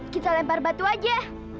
kita lempar batu aja